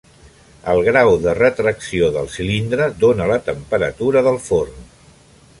El grau de retracció del cilindre dóna la temperatura del forn.